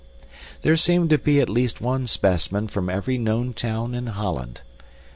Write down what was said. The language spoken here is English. There seemed to be at least one specimen from every known town in Holland.